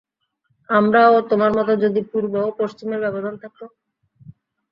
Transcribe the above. আমার ও তোমার মধ্যে যদি পূর্ব ও পশ্চিমের ব্যবধান থাকত।